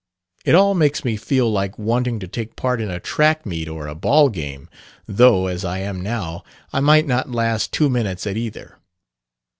It all makes me feel like wanting to take part in a track meet or a ball game though, as I am now, I might not last two minutes at either.